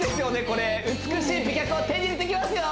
これ美しい美脚を手に入れていきますよ！